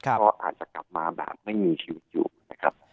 ก็อาจจะกลับมาแบบไม่มีชีวิตอยู่นะครับ